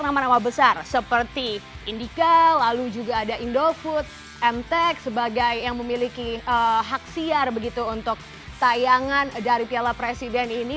nama nama besar seperti indika lalu juga ada indofood mtex sebagai yang memiliki hak siar begitu untuk tayangan dari piala presiden ini